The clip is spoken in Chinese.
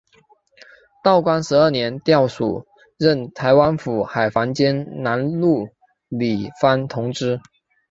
道光十二年调署任台湾府海防兼南路理番同知。